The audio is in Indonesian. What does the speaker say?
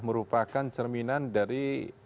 merupakan cerminan dari